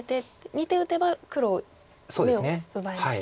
２手打てば黒眼を奪えますね。